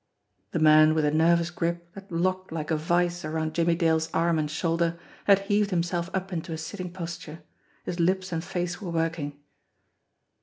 The man with a nervous grip that locked like a vise around Jimmie Dale's arm and shoulder, had heaved himself up into a sitting posture. His lips and face were working.